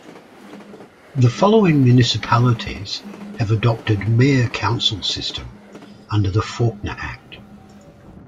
The following municipalities have adopted mayor–council system under the Faulkner Act.